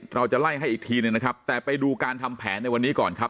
เราจะไล่ให้อีกทีหนึ่งนะครับแต่ไปดูการทำแผนในวันนี้ก่อนครับ